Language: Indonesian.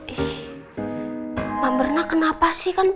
ih pak mirna kenapa sih kan